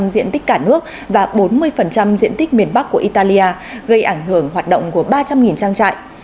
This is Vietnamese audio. năm diện tích cả nước và bốn mươi diện tích miền bắc của italia gây ảnh hưởng hoạt động của ba trăm linh trang trại